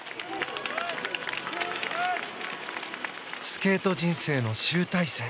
スケート人生の集大成。